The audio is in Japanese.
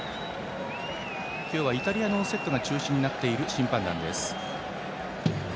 今日はイタリアのセットが中心になっている審判団です。